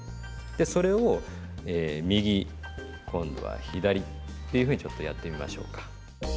でそれを右今度は左っていうふうにちょっとやってみましょうか。